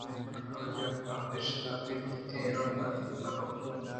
آئی ءَپہ اشتاپی وتی دیم پہک کناں ءَ گوٛشت